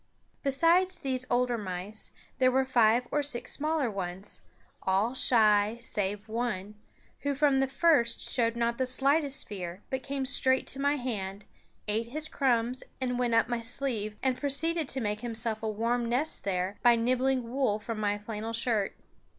Besides these older mice, there were five or six smaller ones, all shy save one, who from the first showed not the slightest fear but came straight to my hand, ate his crumbs, and went up my sleeve, and proceeded to make himself a warm nest there by nibbling wool from my flannel shirt.